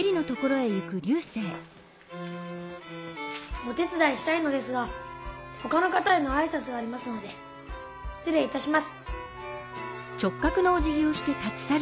お手つだいしたいのですがほかの方へのあいさつがありますのでしつれいいたします。